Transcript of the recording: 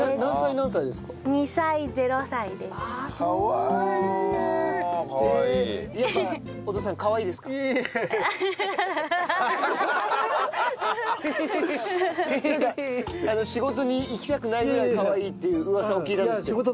なんか仕事に行きたくないぐらいかわいいっていう噂を聞いたんですけど。